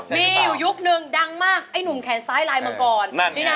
มีอยู่ยุคนึงดังมากไอ้หนุ่มแขนซ้ายลายมังกร